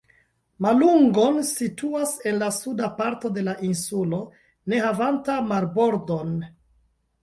Malungon situas en la suda parto de la insulo ne havanta marbordon.